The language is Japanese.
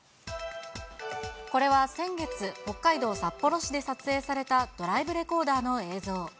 これは先月、北海道札幌市で撮影されたドライブレコーダーの映像。